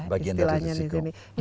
bagian dari resiko